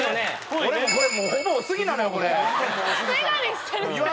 俺もこれもうほぼおすぎなのよこれ。